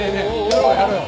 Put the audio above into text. やろうやろう。